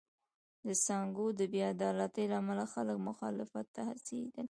د سانکو د بې عدالتۍ له امله خلک مخالفت ته هڅېدل.